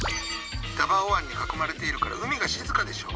ダバオ湾に囲まれているから海が静かでしょ？